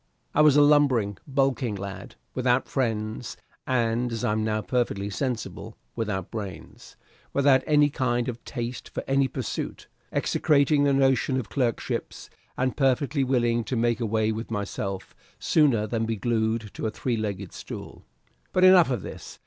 I was a lumbering, bulking lad, without friends, and, as I am now perfectly sensible, without brains, without any kind of taste for any pursuit, execrating the notion of clerkships, and perfectly willing to make away with myself sooner than be glued to a three legged stool. But enough of this.